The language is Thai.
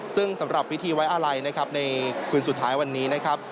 ซึ่งสำหรับวิธีไว้อะไลค์ในคุณสุดท้ายวันนี้นะครับ